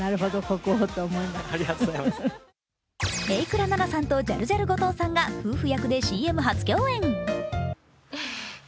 榮倉奈々さんとジャルジャル・後藤さんが夫婦役でＣＭ初共演。